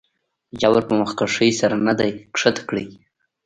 د جبر پۀ مخکښې سر نه دے ښکته کړے